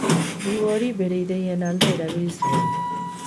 Diru hori bere ideien alde erabili zuen.